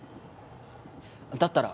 だったら。